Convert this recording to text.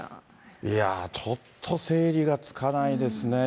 いやー、ちょっと整理がつかないですね。